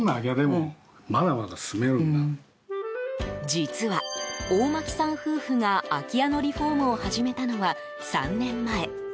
実は、大巻さん夫婦が空き家のリフォームを始めたのは３年前。